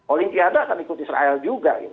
olimpiade akan ikut israel juga